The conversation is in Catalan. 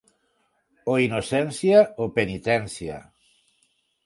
O innocència o penitència.